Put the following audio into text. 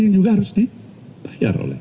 yang juga harus dibayar oleh